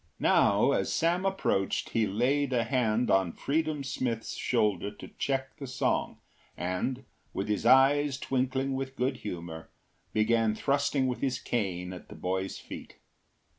Now as Sam approached he laid a hand on Freedom Smith’s shoulder to check the song, and, with his eyes twinkling with good humour, began thrusting with his cane at the boy’s feet.